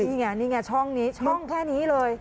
นี่ไงนี่ไงช่องนี้ช่องแค่นี้เลย